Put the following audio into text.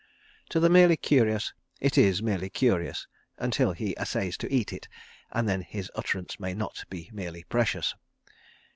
To the merely curious it is merely curious—until he essays to eat it—and then his utterance may not be merely precious.